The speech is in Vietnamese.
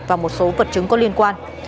và một số vật chứng có liên quan